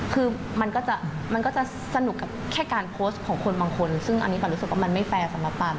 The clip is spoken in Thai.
คือมันก็จะมันก็จะสนุกกับแค่การโพสต์ของคนบางคนซึ่งอันนี้ปันรู้สึกว่ามันไม่แฟร์สำหรับปัน